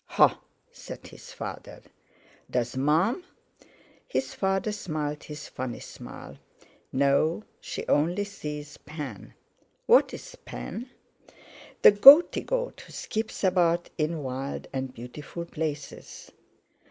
"Ha!" said his father. "Does Mum?" His father smiled his funny smile. "No; she only sees Pan." "What's Pan?" "The Goaty God who skips about in wild and beautiful places."